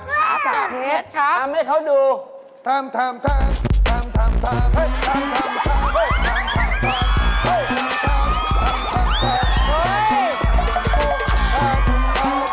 จักเพชรครับทำให้เขาดู